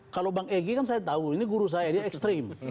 kalau bang egy kan saya tahu ini guru saya dia ekstrim